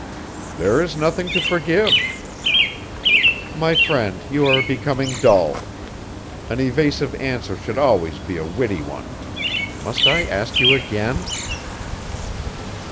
"There is nothing to forgive." "My friend, you are becoming dull. An evasive answer should always be a witty one. Must I ask you again?"